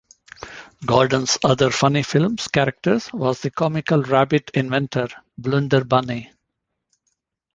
Gordon's other "Funny Films" character was the comical rabbit inventor Blunderbunny.